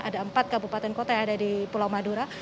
ada empat kabupaten kota yang ada di pulau madura